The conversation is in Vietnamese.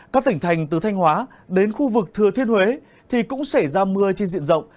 các tỉnh thành từ thanh hóa đến khu vực thừa thiên huế thì cũng xảy ra mưa trên diện rộng